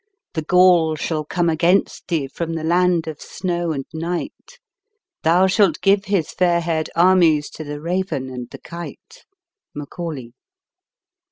"The Gaul shall come against thee From the land of snow and night ; Thou shalt give his fair haired armies To the raven and the kite." MACAULAY.